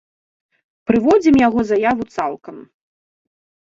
Прыводзім яго заяву цалкам.